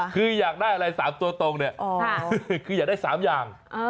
คืออยากได้อะไร๓ตัวตรงเนี่ยคืออยากได้๓อย่าง